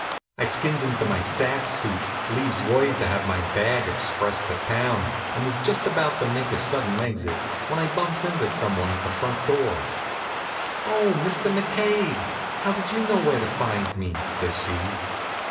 I skins into my sack suit, leaves word to have my bag expressed to town, and was just about to make a sudden exit when I bumps into some one at the front door. "Oh, Mr. McCabe! How did you know where to find me?" says she.